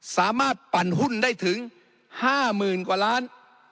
สามารถปั่นหุ้นได้ถึงห้าหมื่นกว่าล้าน